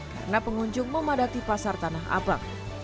karena pengunjung memadati pasar tanah abang